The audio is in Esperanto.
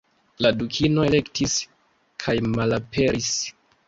La Dukino elektis, kajmalaperis!